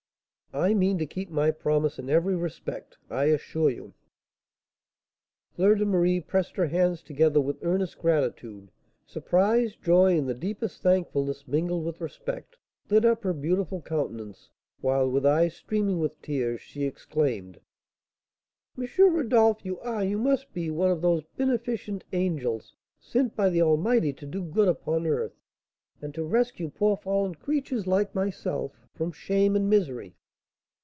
I mean to keep my promise in every respect, I assure you." Fleur de Marie pressed her hands together with earnest gratitude. Surprise, joy, and the deepest thankfulness, mingled with respect, lit up her beautiful countenance, while, with eyes streaming with tears, she exclaimed: "M. Rodolph, you are, you must be, one of those beneficent angels sent by the Almighty to do good upon earth, and to rescue poor fallen creatures, like myself, from shame and misery."